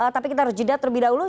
tapi kita harus jeda terlebih dahulu